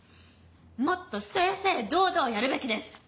もっと正々堂々やるべきです！